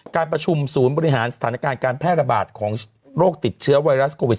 การประชุมศูนย์บริหารสถานการณ์การแพร่ระบาดของโรคติดเชื้อไวรัสโควิด๑